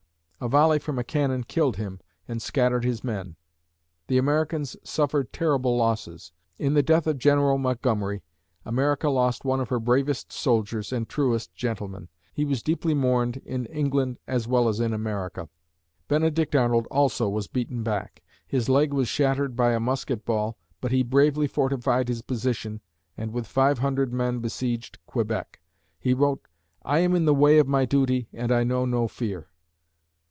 A volley from a cannon killed him and scattered his men. The Americans suffered terrible losses. In the death of General Montgomery, America lost one of her bravest soldiers and truest gentlemen. He was deeply mourned in England as well as in America. Benedict Arnold also was beaten back; his leg was shattered by a musket ball, but he bravely fortified his position and with five hundred men besieged Quebec. He wrote, "I am in the way of my duty and I know no fear."